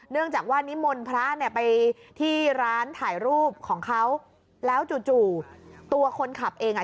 เนื่องจากว่านิมนต์พระเนี่ยไปที่ร้านถ่ายรูปของเขาแล้วจู่จู่ตัวคนขับเองอ่ะ